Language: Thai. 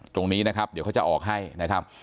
ตรงนี้นะครับเดี๋ยวเขาจะออกให้นะครับ